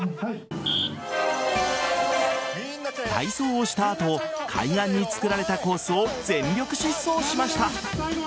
体操をした後海岸に作られたコースを全力疾走しました。